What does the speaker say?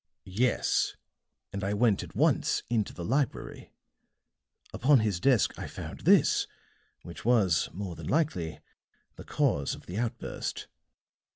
"Yes. And I went at once into the library. Upon his desk I found this, which was, more than likely, the cause of the outburst."